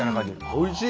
おいしい。